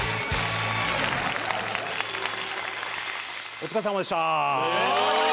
お疲れさまでした。